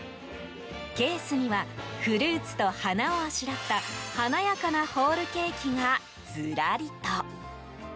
ケースにはフルーツと花をあしらった華やかなホールケーキがずらりと。